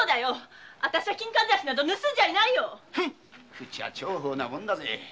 口は重宝なもんだぜ。